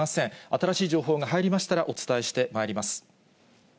新しい情報が入りましたら、お伝えしてまいります。